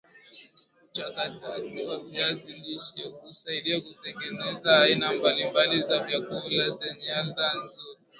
uchakataji wa viazi lishe husaidia Kutengeneza aina mbali mbali za vyakula zenye ladha nzuri